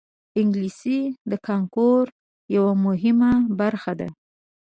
انګلیسي د کانکور یوه مهمه برخه ده